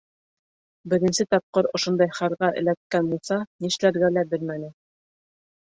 Беренсе тапҡыр ошондай хәлгә эләккән Муса нишләргә лә белмәне.